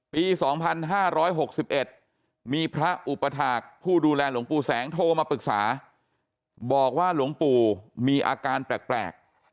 ปี๒๕๖๑มีพระอุปถาคผู้ดูแลหลวงปู่แสงโทรมาปรึกษาบอกว่าหลวงปู่มีอาการแปลก